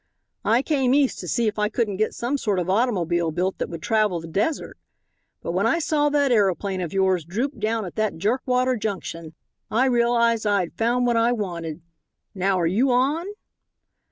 "I came East to see if I couldn't get some sort of automobile built that would travel the desert, but when I saw that aeroplane of yours droop down at that jerkwater junction, I realized I had found what I wanted. Now, are you on?"